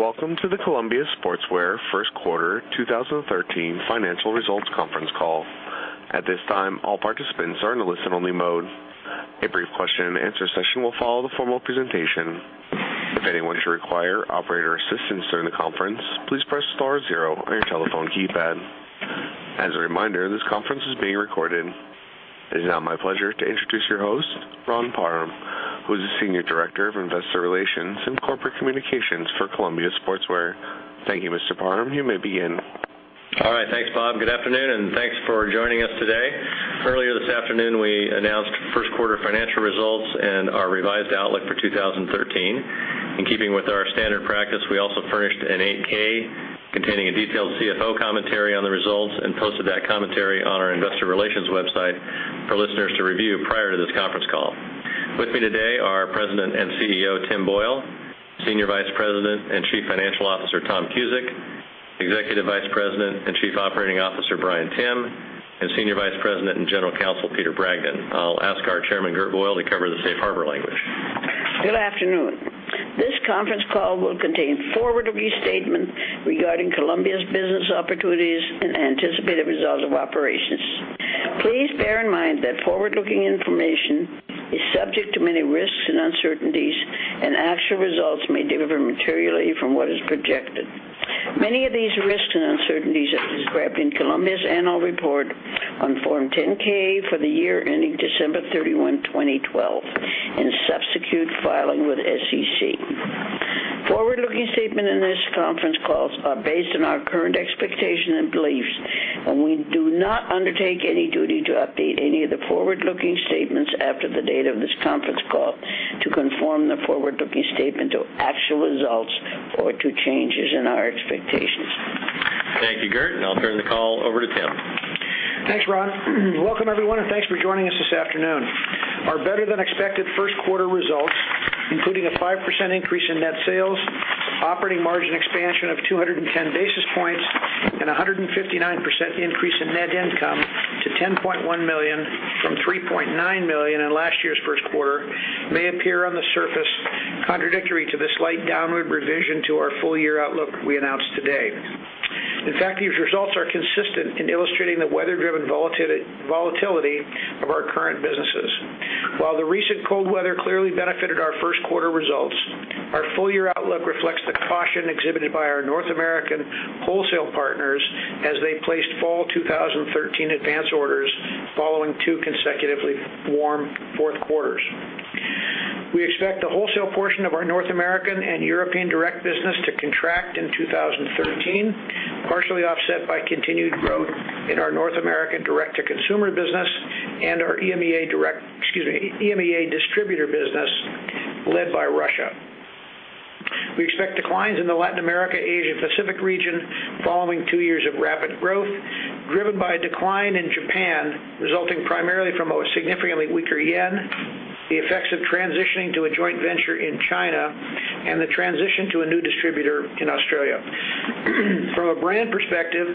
Greetings, welcome to the Columbia Sportswear first quarter 2013 financial results conference call. At this time, all participants are in listen-only mode. A brief question-and-answer session will follow the formal presentation. If anyone should require operator assistance during the conference, please press star zero on your telephone keypad. As a reminder, this conference is being recorded. It is now my pleasure to introduce your host, Ron Parham, who is the Senior Director of Investor Relations and Corporate Communications for Columbia Sportswear. Thank you, Mr. Parham. You may begin. All right. Thanks, Bob. Good afternoon, thanks for joining us today. Earlier this afternoon, we announced first quarter financial results and our revised outlook for 2013. In keeping with our standard practice, we also furnished an 8-K containing a detailed CFO commentary on the results and posted that commentary on our investor relations website for listeners to review prior to this conference call. With me today are President and CEO, Tim Boyle, Senior Vice President and Chief Financial Officer, Tom Cusick, Executive Vice President and Chief Operating Officer, Bryan Timm, and Senior Vice President and General Counsel, Peter Bragdon. I'll ask our Chairman, Gert Boyle, to cover the safe harbor language. Good afternoon. This conference call will contain forward-looking statements regarding Columbia's business opportunities and anticipated results of operations. Please bear in mind that forward-looking information is subject to many risks and uncertainties, actual results may differ materially from what is projected. Many of these risks and uncertainties are described in Columbia's annual report on Form 10-K for the year ending December 31, 2012, and substitute filing with SEC. Forward-looking statements in this conference call are based on our current expectations and beliefs, we do not undertake any duty to update any of the forward-looking statements after the date of this conference call to conform the forward-looking statement to actual results or to changes in our expectations. Thank you, Gert. I'll turn the call over to Tim. Thanks, Ron. Welcome, everyone, and thanks for joining us this afternoon. Our better-than-expected first quarter results, including a 5% increase in net sales, operating margin expansion of 210 basis points, and 159% increase in net income to $10.1 million from $3.9 million in last year's first quarter, may appear on the surface contradictory to the slight downward revision to our full-year outlook we announced today. In fact, these results are consistent in illustrating the weather-driven volatility of our current businesses. While the recent cold weather clearly benefited our first quarter results, our full-year outlook reflects the caution exhibited by our North American wholesale partners as they placed fall 2013 advance orders following two consecutively warm fourth quarters. We expect the wholesale portion of our North American and European direct business to contract in 2013, partially offset by continued growth in our North American direct-to-consumer business and our EMEA distributor business led by Russia. We expect declines in the Latin America/Asia Pacific region following two years of rapid growth, driven by a decline in Japan, resulting primarily from a significantly weaker JPY, the effects of transitioning to a joint venture in China, and the transition to a new distributor in Australia. From a brand perspective,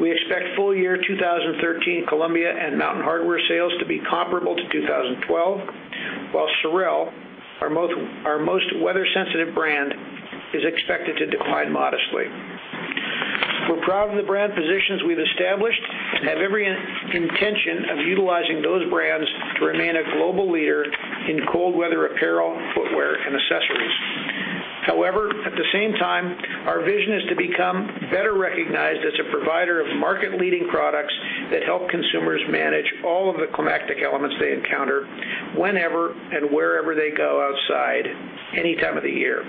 we expect full year 2013 Columbia and Mountain Hardwear sales to be comparable to 2012, while SOREL, our most weather-sensitive brand, is expected to decline modestly. We're proud of the brand positions we've established and have every intention of utilizing those brands to remain a global leader in cold weather apparel, footwear, and accessories. At the same time, our vision is to become better recognized as a provider of market-leading products that help consumers manage all of the climatic elements they encounter whenever and wherever they go outside, any time of the year.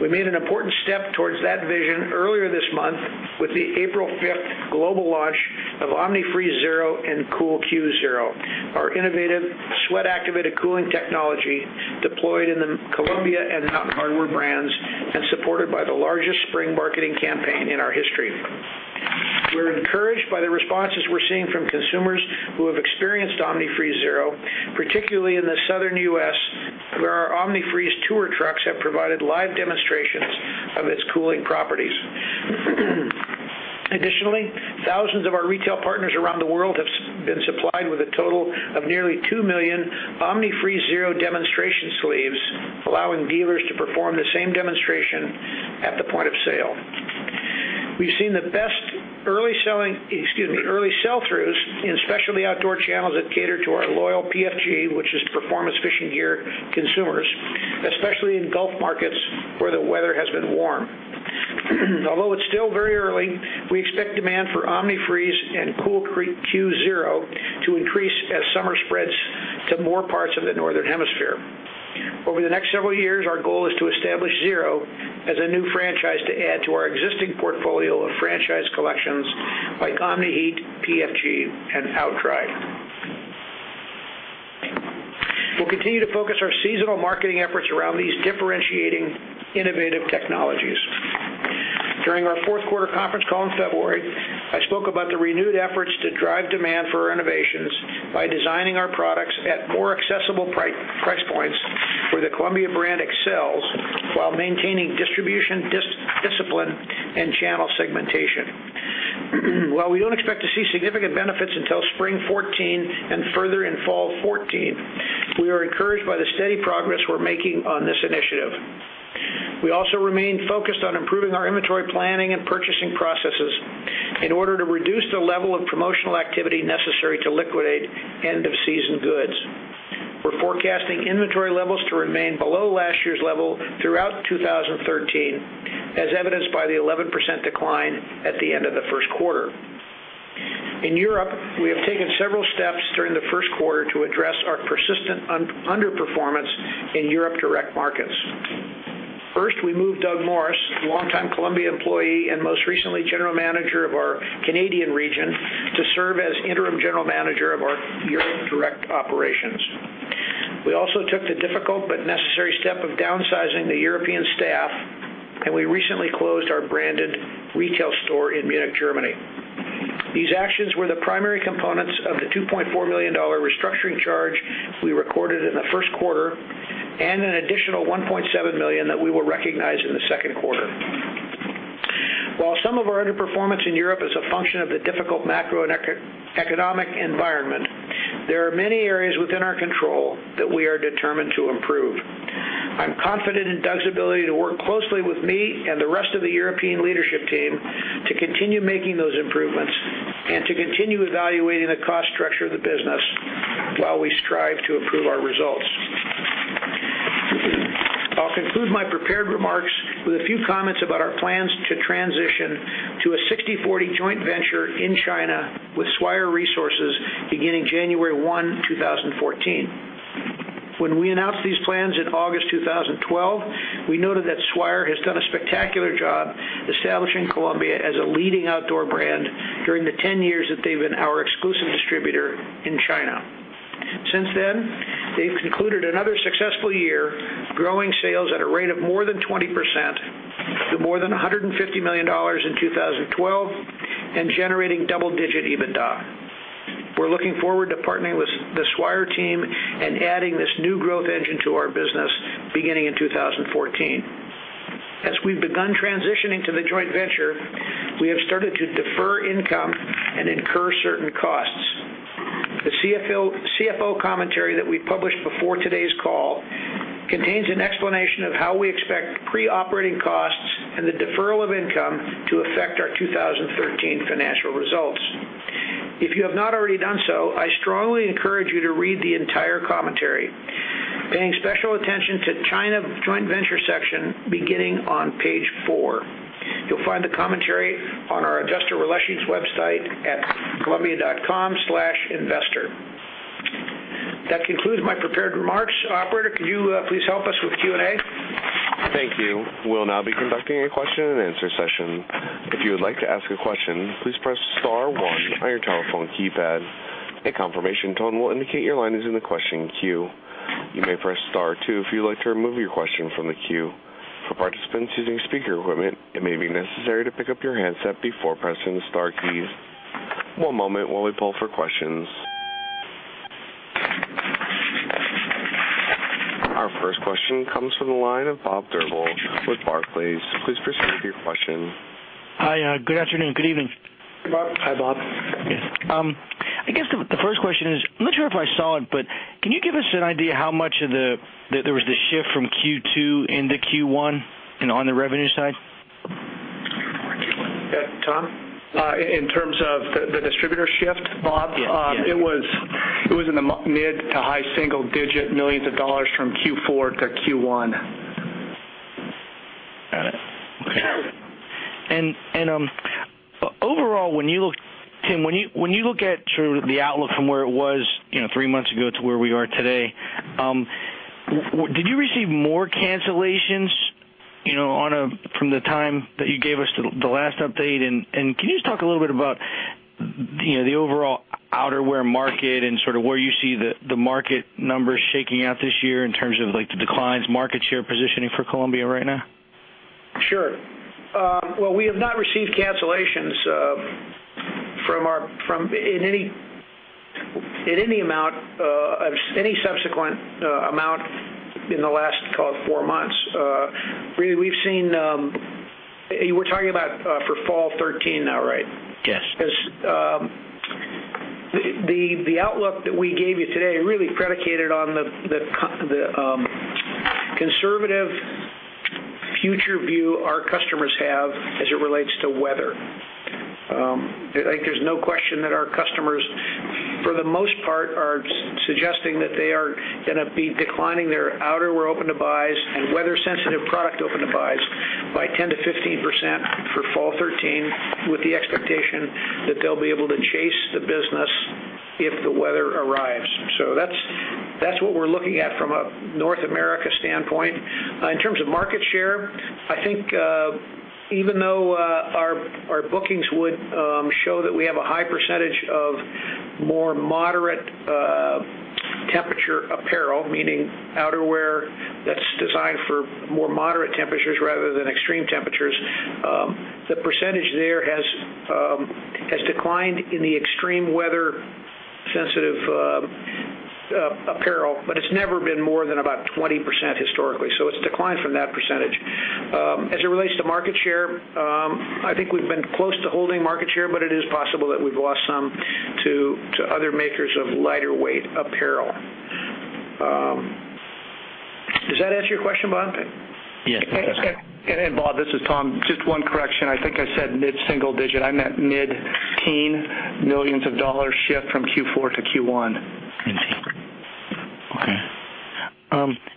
We made an important step towards that vision earlier this month with the April 5th global launch of Omni-Freeze Zero and Cool.Q ZERO, our innovative sweat-activated cooling technology deployed in the Columbia and Mountain Hardwear brands and supported by the largest spring marketing campaign in our history. We're encouraged by the responses we're seeing from consumers who have experienced Omni-Freeze Zero, particularly in the Southern U.S., where our Omni-Freeze tour trucks have provided live demonstrations of its cooling properties. Thousands of our retail partners around the world have been supplied with a total of nearly 2 million Omni-Freeze Zero demonstration sleeves, allowing dealers to perform the same demonstration at the point of sale. We've seen the best early sell-throughs in specialty outdoor channels that cater to our loyal PFG, which is Performance Fishing Gear, consumers, especially in gulf markets where the weather has been warm. Although it's still very early, we expect demand for Omni-Freeze and Cool.Q ZERO to increase as summer spreads to more parts of the northern hemisphere. Over the next several years, our goal is to establish Zero as a new franchise to add to our existing portfolio of franchise collections by Omni-Heat, PFG, and OutDry. We'll continue to focus our seasonal marketing efforts around these differentiating innovative technologies. During our fourth quarter conference call in February, I spoke about the renewed efforts to drive demand for our innovations by designing our products at more accessible price points where the Columbia brand excels while maintaining distribution discipline and channel segmentation. While we don't expect to see significant benefits until spring 2014 and further in fall 2014, we are encouraged by the steady progress we're making on this initiative. We also remain focused on improving our inventory planning and purchasing processes in order to reduce the level of promotional activity necessary to liquidate end-of-season goods. We're forecasting inventory levels to remain below last year's level throughout 2013, as evidenced by the 11% decline at the end of the first quarter. In Europe, we have taken several steps during the first quarter to address our persistent underperformance in Europe direct markets. First, we moved Doug Morris, longtime Columbia employee and most recently general manager of our Canadian region, to serve as interim general manager of our Europe direct operations. We also took the difficult but necessary step of downsizing the European staff, and we recently closed our branded retail store in Munich, Germany. These actions were the primary components of the $2.4 million restructuring charge we recorded in the first quarter and an additional $1.7 million that we will recognize in the second quarter. While some of our underperformance in Europe is a function of the difficult macroeconomic environment, there are many areas within our control that we are determined to improve. I'm confident in Doug's ability to work closely with me and the rest of the European leadership team to continue making those improvements and to continue evaluating the cost structure of the business while we strive to improve our results. I'll conclude my prepared remarks with a few comments about our plans to transition to a 60/40 joint venture in China with Swire Resources beginning January 1, 2014. When we announced these plans in August 2012, we noted that Swire has done a spectacular job establishing Columbia as a leading outdoor brand during the 10 years that they've been our exclusive distributor in China. Since then, they've concluded another successful year, growing sales at a rate of more than 20% to more than $150 million in 2012 and generating double-digit EBITDA. We're looking forward to partnering with the Swire team and adding this new growth engine to our business beginning in 2014. As we've begun transitioning to the joint venture, we have started to defer income and incur certain costs. The CFO commentary that we published before today's call contains an explanation of how we expect pre-operating costs and the deferral of income to affect our 2013 financial results. If you have not already done so, I strongly encourage you to read the entire commentary, paying special attention to China joint venture section beginning on page four. You'll find the commentary on our investor relations website at columbia.com/investor. That concludes my prepared remarks. Operator, could you please help us with Q&A? Thank you. We'll now be conducting a question and answer session. If you would like to ask a question, please press *1 on your telephone keypad. A confirmation tone will indicate your line is in the question queue. You may press *2 if you'd like to remove your question from the queue. For participants using speaker equipment, it may be necessary to pick up your handset before pressing the star keys. One moment while we poll for questions. Our first question comes from the line of Robert Drbul with Barclays. Please proceed with your question. Hi, good afternoon. Good evening. Hey, Bob. Hi, Bob. I guess the first question is, I'm not sure if I saw it, but can you give us an idea how much there was the shift from Q2 into Q1 and on the revenue side? Tom? In terms of the distributor shift, Bob? Yes. It was in the mid to high single digit millions of dollars from Q4 to Q1. Got it. Okay. Overall, Tim, when you look at sort of the outlook from where it was three months ago to where we are today, did you receive more cancellations from the time that you gave us the last update? Can you just talk a little bit about the overall outerwear market and sort of where you see the market numbers shaking out this year in terms of the declines, market share positioning for Columbia right now? Sure. Well, we have not received cancellations in any subsequent amount in the last, call it, four months. Really, we're talking about for fall 2013 now, right? Yes. The outlook that we gave you today really predicated on the conservative future view our customers have as it relates to weather. I think there's no question that our customers, for the most part, are suggesting that they are going to be declining their outerwear open-to-buys and weather sensitive product open-to-buys by 10%-15% for fall 2013 with the expectation that they'll be able to chase the business if the weather arrives. That's what we're looking at from a North America standpoint. In terms of market share, I think even though our bookings would show that we have a high percentage of more moderate temperature apparel, meaning outerwear that's designed for more moderate temperatures rather than extreme temperatures, the percentage there has declined in the extreme weather sensitive apparel, but it's never been more than about 20% historically. It's declined from that percentage. As it relates to market share, I think we've been close to holding market share, but it is possible that we've lost some to other makers of lighter weight apparel. Does that answer your question, Bob? Yes. Bob, this is Tom. Just one correction. I think I said mid-single digit. I meant mid-teen millions of dollars shift from Q4 to Q1. Okay.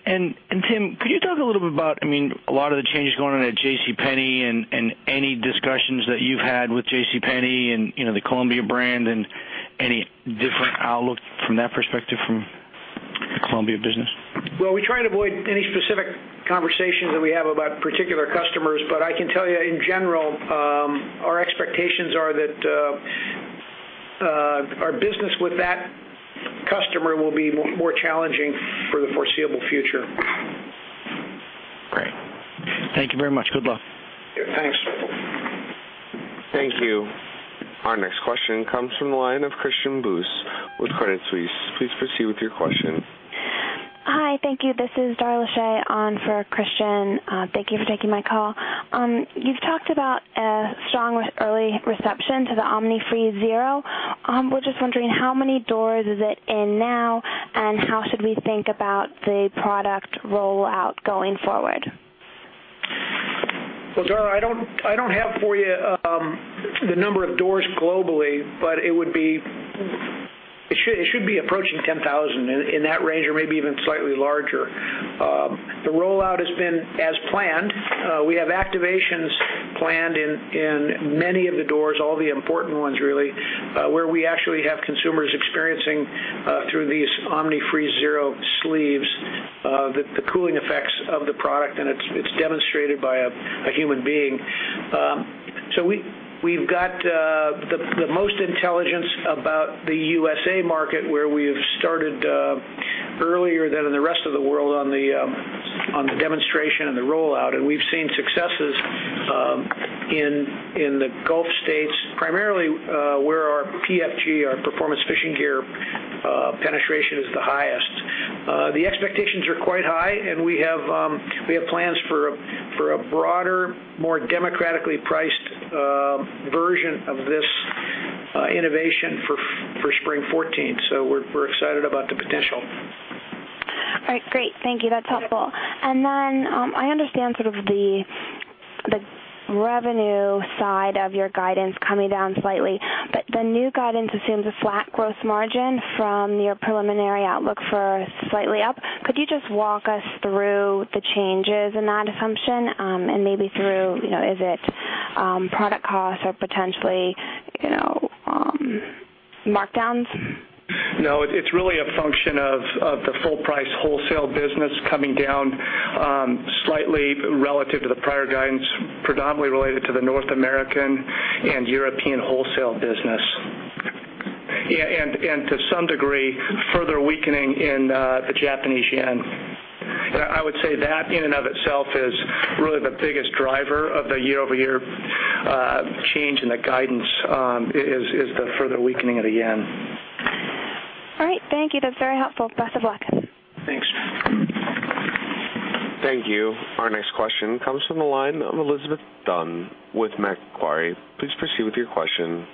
Tim, could you talk a little bit about a lot of the changes going on at JCPenney and any discussions that you've had with JCPenney and the Columbia brand, any different outlook from that perspective from the Columbia business? Well, we try to avoid any specific conversations that we have about particular customers. I can tell you in general, our expectations are that our business with that customer will be more challenging for the foreseeable future. Great. Thank you very much. Good luck. Thanks. Thank you. Our next question comes from the line of Christian Buss with Credit Suisse. Please proceed with your question. Hi, thank you. This is Dara Lache on for Christian. Thank you for taking my call. You've talked about a strong early reception to the Omni-Freeze ZERO. We're just wondering how many doors is it in now, and how should we think about the product rollout going forward? Well, Dara, I don't have for you the number of doors globally, but it should be approaching 10,000, in that range or maybe even slightly larger. The rollout has been as planned. We have activations planned in many of the doors, all the important ones really, where we actually have consumers experiencing through these Omni-Freeze ZERO sleeves, the cooling effects of the product, and it's demonstrated by a human being. We've got the most intelligence about the USA market, where we have started earlier than in the rest of the world on the demonstration and the rollout. We've seen successes in the Gulf States, primarily where our PFG, our Performance Fishing Gear penetration is the highest. The expectations are quite high, and we have plans for a broader, more democratically priced version of this innovation for spring 2014. We're excited about the potential. All right. Great. Thank you. That's helpful. I understand sort of the revenue side of your guidance coming down slightly, the new guidance assumes a flat growth margin from your preliminary outlook for slightly up. Could you just walk us through the changes in that assumption, and maybe through, is it product costs or potentially markdowns? No, it's really a function of the full price wholesale business coming down slightly relative to the prior guidance, predominantly related to the North American and European wholesale business. To some degree, further weakening in the Japanese yen. I would say that in and of itself is really the biggest driver of the year-over-year change in the guidance, is the further weakening of the yen. All right. Thank you. That's very helpful. Best of luck. Thanks. Thank you. Our next question comes from the line of Elizabeth Dunn with Macquarie. Please proceed with your question.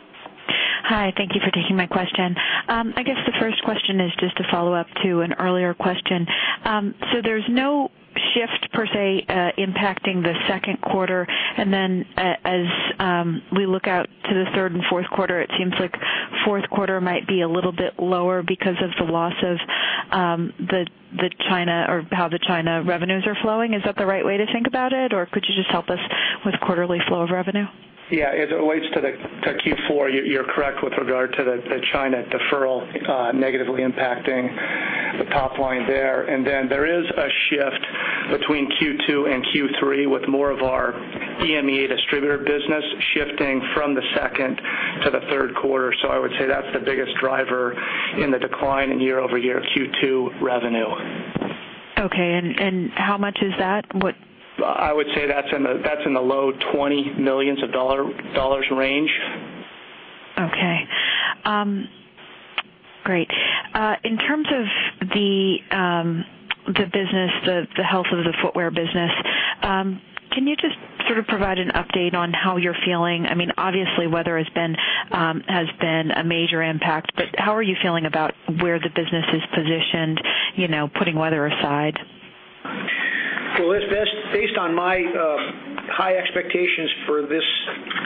Hi. Thank you for taking my question. I guess the first question is just a follow-up to an earlier question. There's no shift per se, impacting the second quarter, then as we look out to the third and fourth quarter, it seems like fourth quarter might be a little bit lower because of the loss of how the China revenues are flowing. Is that the right way to think about it? Could you just help us with quarterly flow of revenue? Yeah. As it relates to Q4, you're correct with regard to the China deferral negatively impacting the top line there. There is a shift between Q2 and Q3 with more of our EMEA distributor business shifting from the second to the third quarter. I would say that's the biggest driver in the decline in year-over-year Q2 revenue. Okay. How much is that? I would say that's in the low $20 million range. Okay. Great. In terms of the health of the footwear business, can you just sort of provide an update on how you're feeling? Obviously, weather has been a major impact, how are you feeling about where the business is positioned, putting weather aside? Well, based on my high expectations for this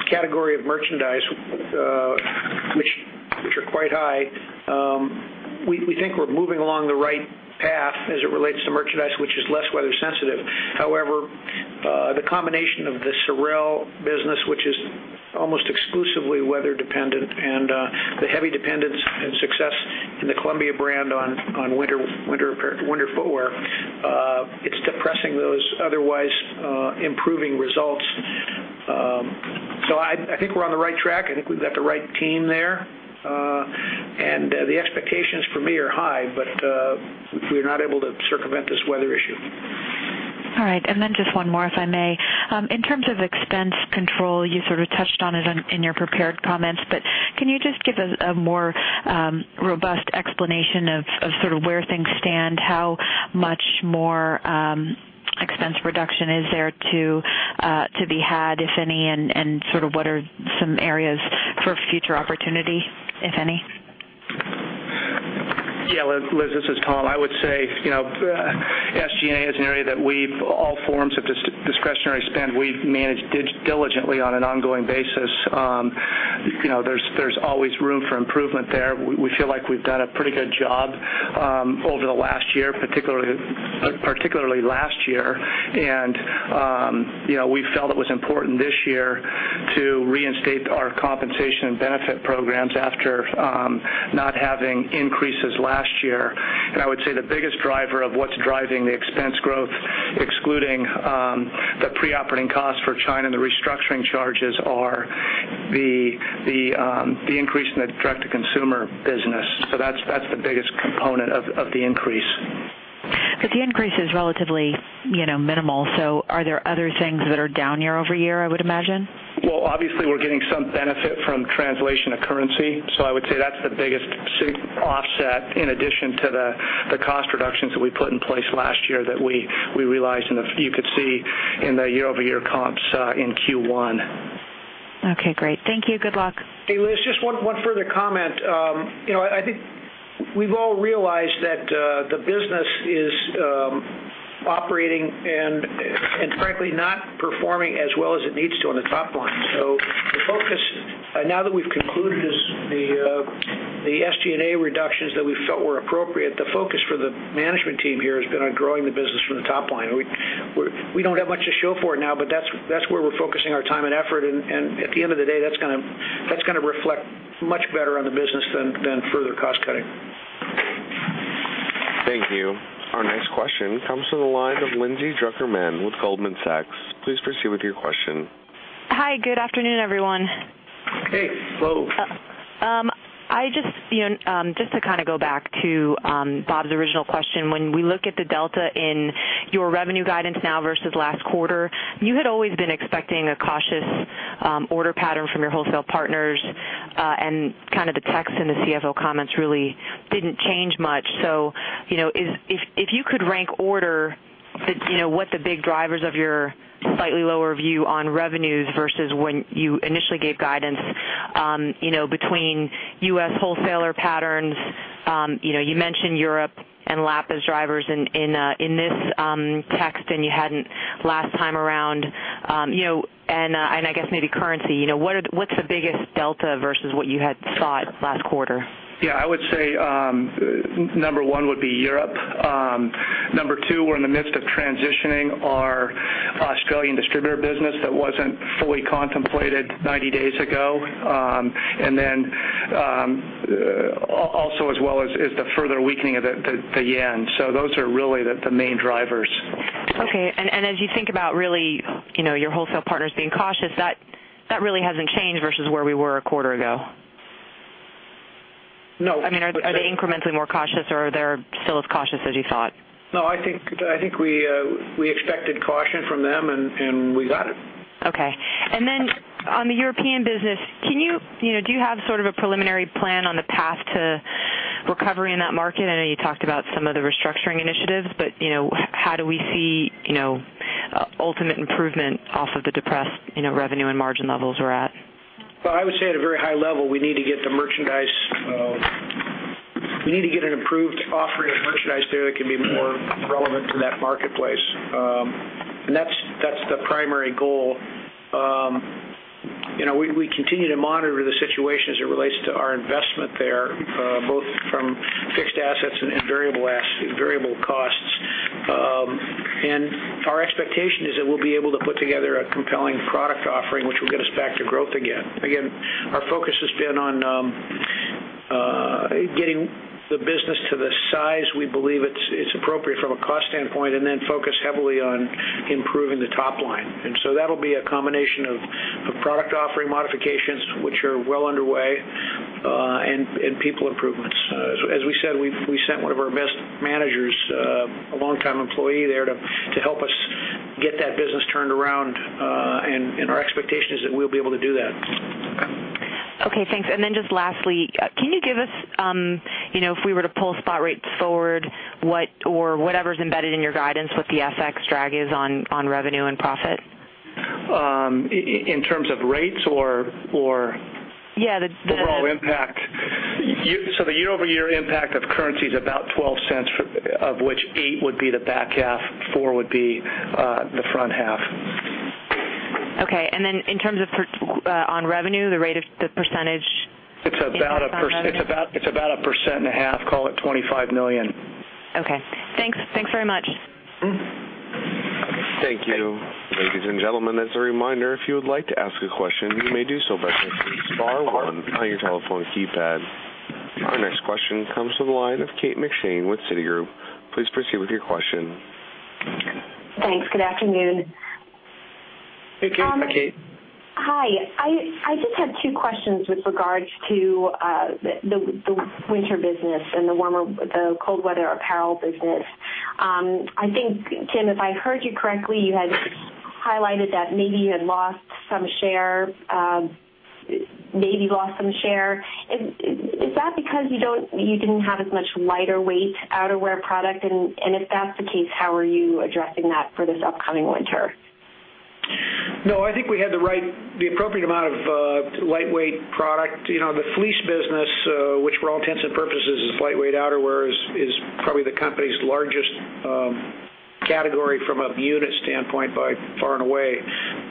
category of merchandise, which are quite high, we think we're moving along the right path as it relates to merchandise which is less weather sensitive. However, the combination of the SOREL business, which is almost exclusively weather dependent, and the heavy dependence and success in the Columbia brand on winter footwear, it's depressing those otherwise improving results. I think we're on the right track. I think we've got the right team there. The expectations for me are high, but we're not able to circumvent this weather issue. All right. Just one more, if I may. In terms of expense control, you sort of touched on it in your prepared comments, but can you just give us a more robust explanation of where things stand? How much more expense reduction is there to be had, if any, and what are some areas for future opportunity, if any? Yeah, Liz, this is Tom. I would say, SG&A is an area that all forms of discretionary spend, we manage diligently on an ongoing basis. There's always room for improvement there. We feel like we've done a pretty good job over the last year, particularly last year. We felt it was important this year to reinstate our compensation and benefit programs after not having increases last year. I would say the biggest driver of what's driving the expense growth, excluding the pre-operating costs for China and the restructuring charges, are the increase in the direct-to-consumer business. That's the biggest component of the increase. The increase is relatively minimal. Are there other things that are down year-over-year, I would imagine? Well, obviously, we're getting some benefit from translation of currency. I would say that's the biggest offset, in addition to the cost reductions that we put in place last year that we realized, and you could see in the year-over-year comps in Q1. Okay, great. Thank you. Good luck. Hey, Liz, just one further comment. I think we've all realized that the business is operating and frankly, not performing as well as it needs to on the top line. The focus, now that we've concluded the SG&A reductions that we felt were appropriate, the focus for the management team here has been on growing the business from the top line. We don't have much to show for it now, but that's where we're focusing our time and effort, and at the end of the day, that's going to reflect much better on the business than further cost cutting. Thank you. Our next question comes from the line of Lindsay Drucker Mann with Goldman Sachs. Please proceed with your question. Hi, good afternoon, everyone. Hey. Hello. Just to kind of go back to Bob's original question, when we look at the delta in your revenue guidance now versus last quarter, you had always been expecting a cautious order pattern from your wholesale partners, and kind of the text in the CFO comments really didn't change much. If you could rank order what the big drivers of your slightly lower view on revenues versus when you initially gave guidance, between U.S. wholesaler patterns. You mentioned Europe and LAAP as drivers in this text, and you hadn't last time around. I guess maybe currency. What's the biggest delta versus what you had thought last quarter? I would say number one would be Europe. Number two, we're in the midst of transitioning our Australian distributor business that wasn't fully contemplated 90 days ago. Also as well is the further weakening of the yen. Those are really the main drivers. As you think about really your wholesale partners being cautious, that really hasn't changed versus where we were a quarter ago? No. I mean, are they incrementally more cautious, or they're still as cautious as you thought? No, I think we expected caution from them, and we got it. Okay. On the European business, do you have sort of a preliminary plan on the path to recovery in that market? I know you talked about some of the restructuring initiatives, how do we see ultimate improvement off of the depressed revenue and margin levels we're at? Well, I would say at a very high level, we need to get an improved offering of merchandise there that can be more relevant to that marketplace. That's the primary goal. We continue to monitor the situation as it relates to our investment there, both from fixed assets and variable costs. Our expectation is that we'll be able to put together a compelling product offering, which will get us back to growth again. Again, our focus has been on getting the business to the size we believe it's appropriate from a cost standpoint, and then focus heavily on improving the top line. That'll be a combination of product offering modifications, which are well underway, and people improvements. As we said, we sent one of our best managers, a longtime employee there, to help us get that business turned around, and our expectation is that we'll be able to do that. Okay, thanks. Just lastly, can you give us, if we were to pull spot rates forward, or whatever's embedded in your guidance, what the FX drag is on revenue and profit? In terms of rates or- Yeah The overall impact? The year-over-year impact of currency is about $0.12, of which eight would be the back half, four would be the front half. Okay. Then in terms of on revenue, the rate of the %? It's about 1.5%. Call it $25 million. Okay. Thanks very much. Thank you. Ladies and gentlemen, as a reminder, if you would like to ask a question, you may do so by pressing star one on your telephone keypad. Our next question comes from the line of Kate McShane with Citigroup. Please proceed with your question. Thanks. Good afternoon. Okay. Hi. I just have two questions with regards to the winter business and the cold weather apparel business. I think, Tim, if I heard you correctly, you had highlighted that maybe you had lost some share. Is that because you didn't have as much lighter weight outerwear product? If that's the case, how are you addressing that for this upcoming winter? No, I think we had the appropriate amount of lightweight product. The fleece business, which for all intents and purposes is lightweight outerwear, is probably the company's largest category from a unit standpoint by far and away.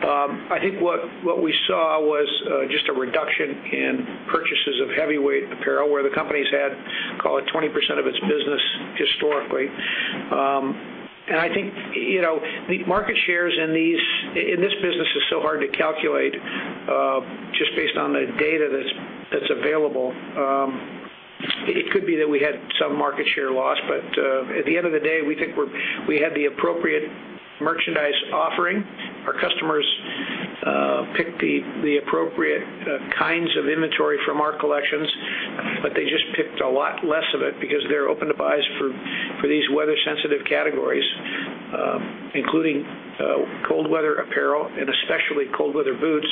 I think what we saw was just a reduction in purchases of heavyweight apparel, where the company's had, call it, 20% of its business historically. I think, the market shares in this business is so hard to calculate, just based on the data that's available. It could be that we had some market share loss, at the end of the day, we think we had the appropriate merchandise offering. Our customers picked the appropriate kinds of inventory from our collections, they just picked a lot less of it because their open-to-buys for these weather sensitive categories, including cold weather apparel and especially cold weather boots,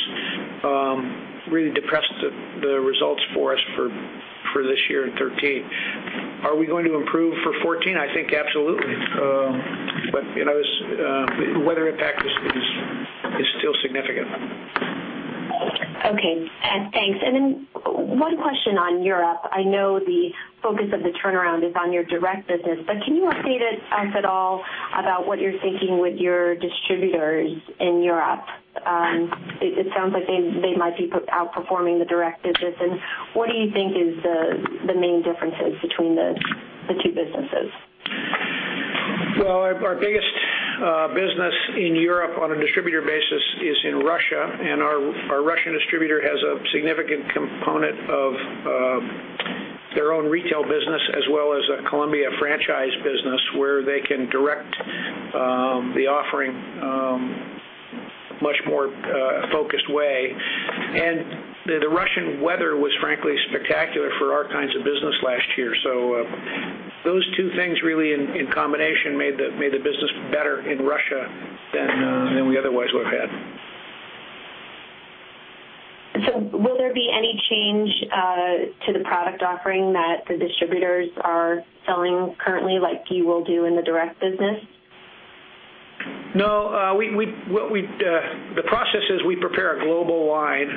really depressed the results for us for this year in 2013. Are we going to improve for 2014? I think absolutely. The weather impact is still significant. Okay. Thanks. One question on Europe. I know the focus of the turnaround is on your direct business, but can you update us at all about what you're thinking with your distributors in Europe? It sounds like they might be outperforming the direct business. What do you think is the main differences between the two businesses? Well, our biggest business in Europe on a distributor basis is in Russia, and our Russian distributor has a significant component of their own retail business as well as a Columbia franchise business where they can direct the offering much more focused way. The Russian weather was frankly spectacular for our kinds of business last year. Those two things really in combination made the business better in Russia than we otherwise would have had. Will there be any change to the product offering that the distributors are selling currently, like you will do in the direct business? No. The process is we prepare a global line.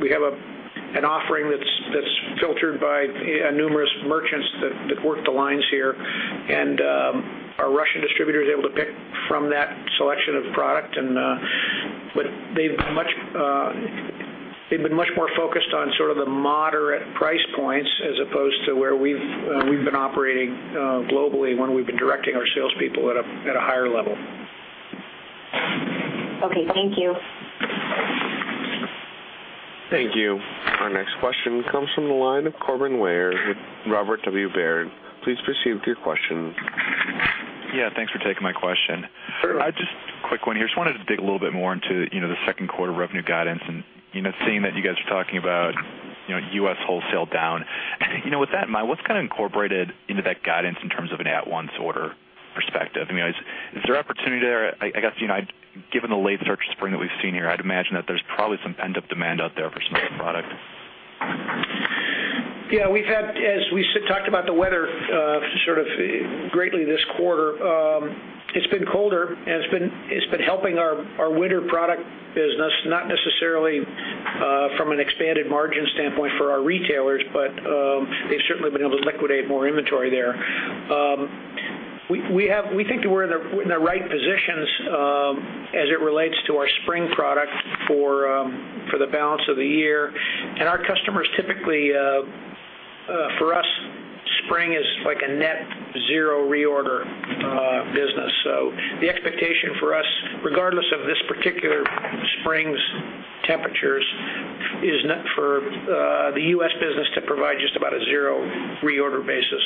We have an offering that's filtered by numerous merchants that work the lines here. Our Russian distributor is able to pick from that selection of product, and they've been much more focused on sort of the moderate price points as opposed to where we've been operating globally when we've been directing our salespeople at a higher level. Okay. Thank you. Thank you. Our next question comes from the line of Corbin Weyer with Robert W. Baird. Please proceed with your question. Thanks for taking my question. Sure. Just a quick one here. Just wanted to dig a little bit more into the second quarter revenue guidance, seeing that you guys are talking about U.S. wholesale down. With that in mind, what's kind of incorporated into that guidance in terms of an at-once order perspective? Is there opportunity there? I guess, given the late start spring that we've seen here, I'd imagine that there's probably some pent-up demand out there for some of that product. Yeah. As we talked about the weather sort of greatly this quarter, it's been colder, and it's been helping our winter product business, not necessarily from an expanded margin standpoint for our retailers, but they've certainly been able to liquidate more inventory there. We think that we're in the right positions as it relates to our spring product for the balance of the year. Our customers typically, for us, spring is like a net zero reorder business. The expectation for us, regardless of this particular spring's temperatures, is for the U.S. business to provide just about a zero reorder basis.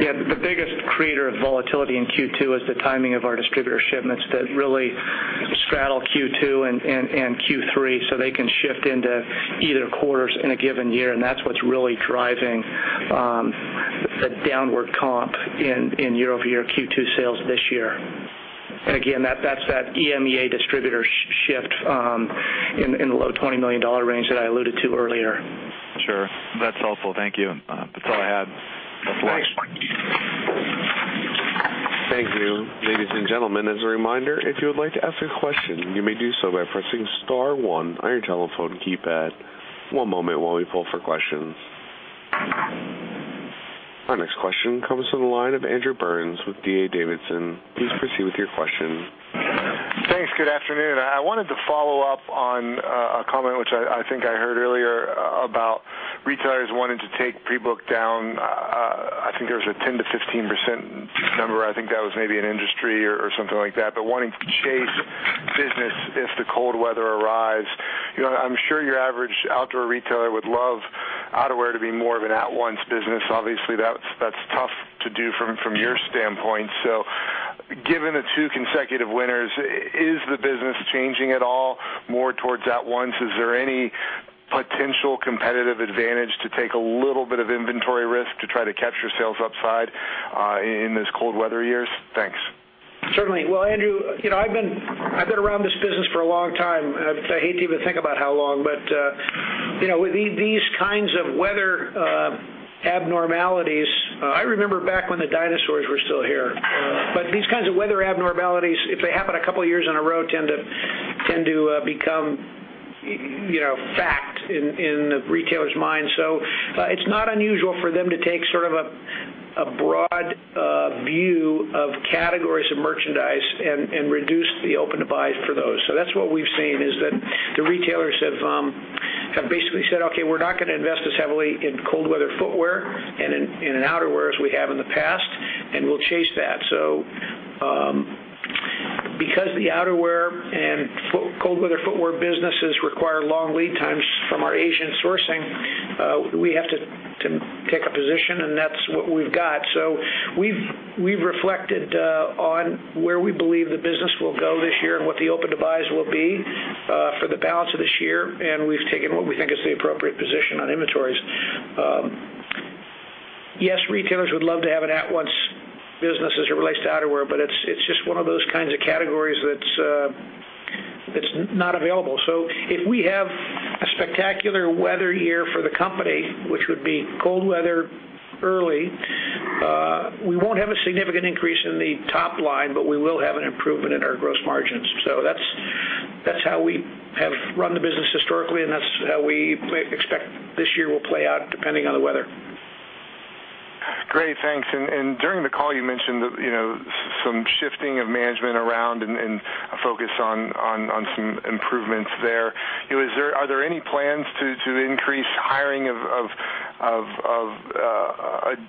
Yeah. The biggest creator of volatility in Q2 is the timing of our distributor shipments that really straddle Q2 and Q3, so they can shift into either quarters in a given year, and that's what's really driving the downward comp in year-over-year Q2 sales this year. Again, that's that EMEA distributor shift in the low $20 million range that I alluded to earlier. Sure. That's helpful. Thank you. That's all I had. Thanks. Thank you. Ladies and gentlemen, as a reminder, if you would like to ask a question, you may do so by pressing star one on your telephone keypad. One moment while we pull for questions. Our next question comes from the line of Andrew Burns with D.A. Davidson. Please proceed with your question. Thanks. Good afternoon. I wanted to follow up on a comment, which I think I heard earlier about retailers wanting to take pre-book down, I think there was a 10%-15% number. I think that was maybe an industry or something like that. Wanting to chase business if the cold weather arrives. I'm sure your average outdoor retailer would love outerwear to be more of an at-once business. Obviously, that's tough to do from your standpoint. Given the two consecutive winters, is the business changing at all more towards at once? Is there any potential competitive advantage to take a little bit of inventory risk to try to capture sales upside in these cold weather years? Thanks. Certainly. Well, Andrew, I've been around this business for a long time. I hate to even think about how long. With these kinds of weather abnormalities, I remember back when the dinosaurs were still here. These kinds of weather abnormalities, if they happen a couple of years in a row, tend to become fact in the retailer's mind. It's not unusual for them to take sort of a broad view of categories of merchandise and reduce the open-to-buy for those. That's what we've seen, is that the retailers have basically said, "Okay, we're not going to invest as heavily in cold weather footwear and in outerwear as we have in the past, and we'll chase that." Because the outerwear and cold weather footwear businesses require long lead times from our Asian sourcing, we have to take a position, and that's what we've got. We've reflected on where we believe the business will go this year and what the open-to-buys will be for the balance of this year. We've taken what we think is the appropriate position on inventories. Yes, retailers would love to have an at-once business as it relates to outerwear, but it's just one of those kinds of categories that's not available. If we have a spectacular weather year for the company, which would be cold weather early, we won't have a significant increase in the top line, but we will have an improvement in our gross margins. That's how we have run the business historically, and that's how we expect this year will play out, depending on the weather. Great. Thanks. During the call, you mentioned some shifting of management around and a focus on some improvements there. Are there any plans to increase hiring of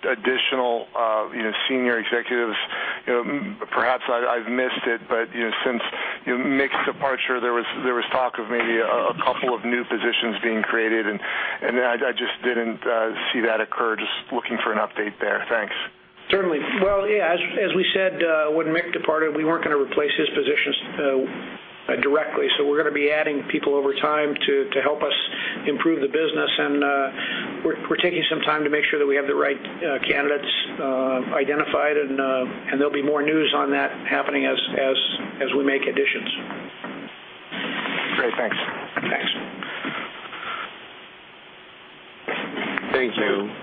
additional senior executives? Perhaps I've missed it, but since Mick's departure, there was talk of maybe a couple of new positions being created, and I just didn't see that occur. Just looking for an update there. Thanks. Certainly. Well, yeah, as we said, when Mick departed, we weren't going to replace his positions directly. We're going to be adding people over time to help us improve the business, and we're taking some time to make sure that we have the right candidates identified, and there'll be more news on that happening as we make additions. Great. Thanks. Thanks. Thank you.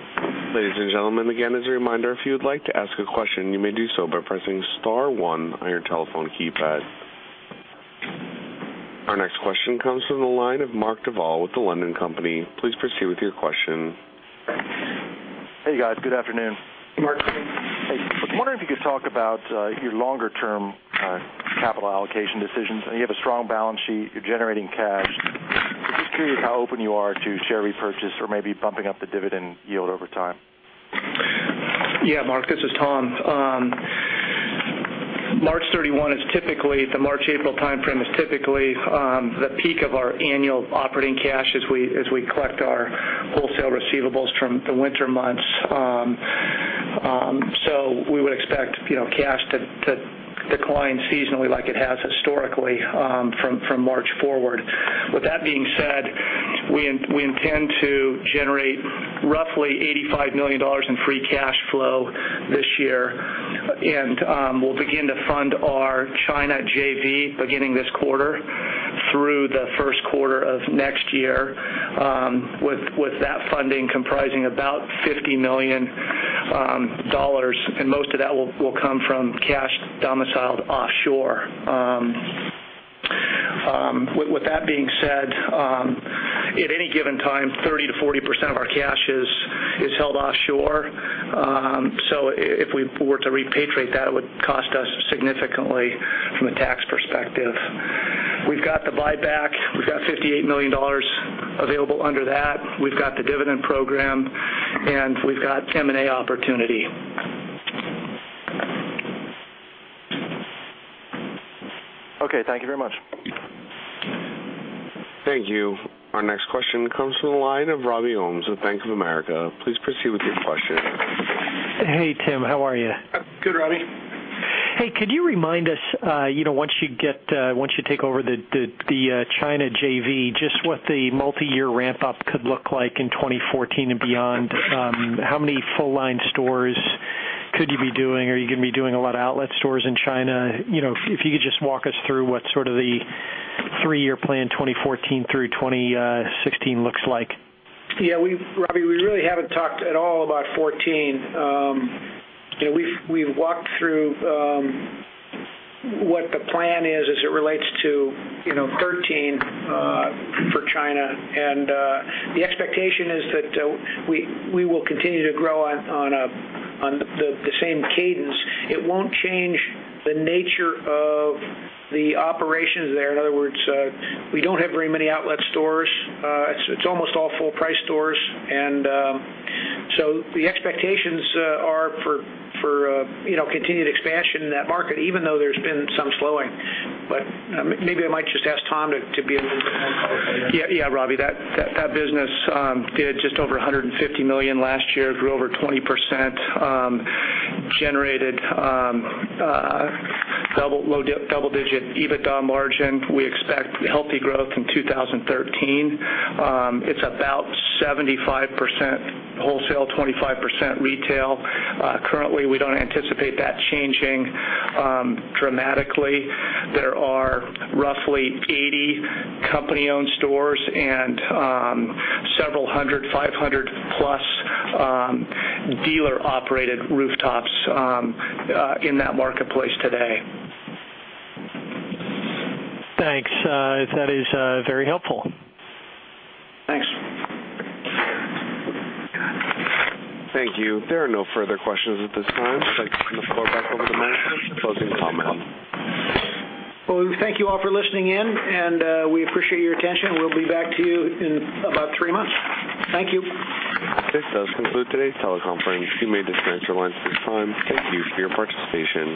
Ladies and gentlemen, again, as a reminder, if you would like to ask a question, you may do so by pressing star one on your telephone keypad. Our next question comes from the line of Mark Devaul with The London Company. Please proceed with your question. Hey, guys. Good afternoon. Hey, Mark. Hey. I was wondering if you could talk about your longer-term capital allocation decisions. You have a strong balance sheet. You're generating cash. Just curious how open you are to share repurchase or maybe bumping up the dividend yield over time. Yeah, Mark, this is Tom. The March-April timeframe is typically the peak of our annual operating cash as we collect our wholesale receivables from the winter months. We would expect cash to decline seasonally like it has historically from March forward. With that being said, we intend to generate roughly $85 million in free cash flow this year, and we'll begin to fund our China JV beginning this quarter through the first quarter of next year, with that funding comprising about $50 million, and most of that will come from cash domiciled offshore. With that being said, at any given time, 30%-40% of our cash is held offshore. If we were to repatriate that, it would cost us significantly from a tax perspective. We've got the buyback. We've got $58 million available under that. We've got the dividend program, and we've got M&A opportunity. Okay. Thank you very much. Thank you. Our next question comes from the line of Robert Ohmes with Bank of America. Please proceed with your question. Hey, Tim. How are you? Good, Robbie. Hey, could you remind us, once you take over the China JV, just what the multi-year ramp-up could look like in 2014 and beyond? How many full-line stores could you be doing? Are you going to be doing a lot of outlet stores in China? If you could just walk us through what sort of the three-year plan 2014 through 2016 looks like. Robbie, we really haven't talked at all about 2014. We've walked through what the plan is as it relates to 2013 for China, the expectation is that we will continue to grow on the same cadence. It won't change the nature of the operations there. In other words, we don't have very many outlet stores. It's almost all full-price stores. The expectations are for continued expansion in that market, even though there's been some slowing. Maybe I might just ask Tom to be a little bit more colorful here. Robbie, that business did just over $150 million last year, grew over 20%, generated double-digit EBITDA margin. We expect healthy growth in 2013. It's about 75% wholesale, 25% retail. Currently, we don't anticipate that changing dramatically. There are roughly 80 company-owned stores and several hundred, 500-plus dealer-operated rooftops in that marketplace today. Thanks. That is very helpful. Thanks. Thank you. There are no further questions at this time. I'd like to turn the floor back over to management for closing comments. We thank you all for listening in, and we appreciate your attention. We'll be back to you in about three months. Thank you. This does conclude today's teleconference. You may dispense your lines at this time. Thank you for your participation.